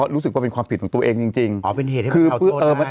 รู้สึกว่าเป็นความผิดของตัวเองจริงจริงอ๋อเป็นเหตุให้คือเอาปืนมัน